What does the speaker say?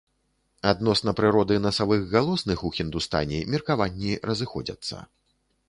Адносна прыроды насавых галосных у хіндустані меркаванні разыходзяцца.